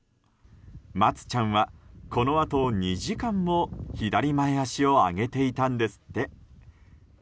まつちゃんは、このあと２時間も左前脚を上げていたんですって。